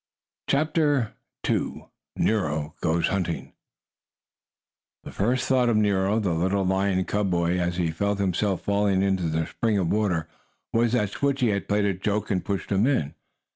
CHAPTER II NERO GOES HUNTING The first thought of Nero, the little lion cub boy, as he felt himself falling into the spring of water, was that Switchie had played a joke and pushed him in.